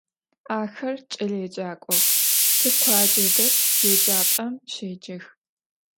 Axer ç'eleêcak'ox, tikhuace det yêcap'em şêcex.